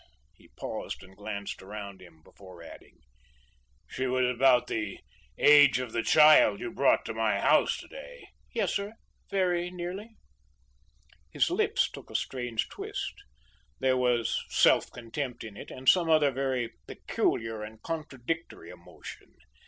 He paused and glanced about him before adding, "She was about the age of the child you brought to my house to day." "Yes, sir, very nearly." His lips took a strange twist. There was self contempt in it, and some other very peculiar and contradictory emotion.